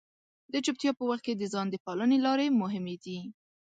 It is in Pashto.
د چپتیا په وخت کې د ځان د پالنې لارې مهمې دي.